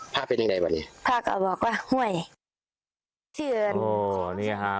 ภาพเป็นอย่างไรวันนี้ภาพก็บอกว่าห้วยชื่อนโอ้เนี้ยฮะ